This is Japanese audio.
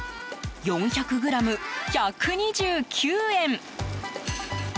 ４００ｇ、１２９円。